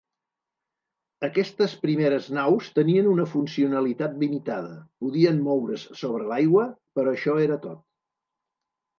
Aquestes primeres naus tenien una funcionalitat limitada: podien moure's sobre l'aigua, però això era tot.